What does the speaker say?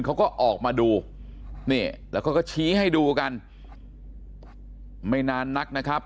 เขาก็ออกมาดูนี่แล้วก็ชี้ให้ดูกันไม่นานนักนะครับ